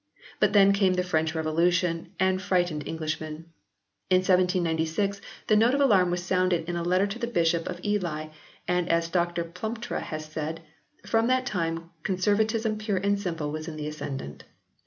But then came the French Revolution and frightened Englishmen. In 1796 the note of alarm vn] THE REVISED VERSION OF 1881 121 was sounded in a letter to the Bishop of Ely, and, as Dr Plumptre has said :" from that time conser vatism pure and simple was in the ascendant.